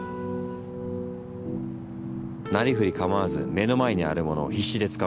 なりふり構わず目の前にあるものを必死でつかむ。